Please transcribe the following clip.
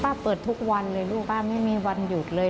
เปิดทุกวันเลยลูกป้าไม่มีวันหยุดเลย